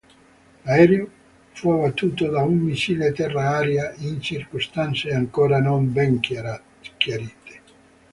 L'aereo fu abbattuto da un missile terra-aria in circostanze ancora non ben chiarite.